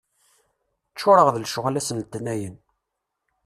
Ččuṛeɣ d lecɣal ass n letnayen.